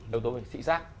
đầu tối thị xác